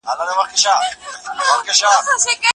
شاوخوا شل سلنه ښځې ډنګرې بلل کېږي.